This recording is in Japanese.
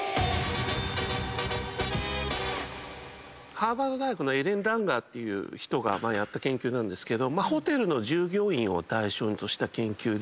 ハーバード大学のエレン・ランガーっていう人がやった研究なんですけどホテルの従業員を対象とした研究で。